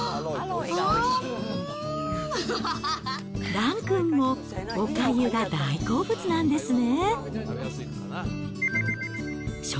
ランくんも、おかゆが大好物なんですね。